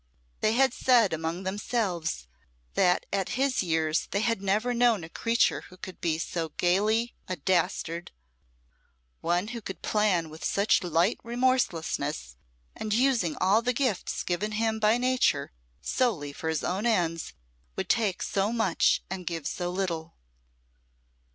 They had said among themselves that at his years they had never known a creature who could be so gaily a dastard, one who could plan with such light remorselessness, and using all the gifts given him by Nature solely for his own ends, would take so much and give so little.